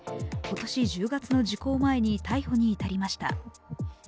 今年１０月の時効前に逮捕に至りました。